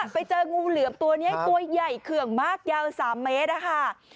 ไปเจองูเหลือมตัวนี้ตัวใหญ่เขื่องมากยาว๓เมตรนะคะ